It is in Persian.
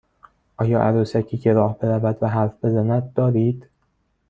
آیا عروسکی که راه برود و حرف بزند دارید؟